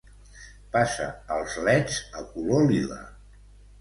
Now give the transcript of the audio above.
Passa els leds a color lila.